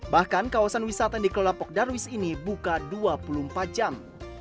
bahkan kawasan wisata yang dikelola pok darwis ini buka dua puluh empat jam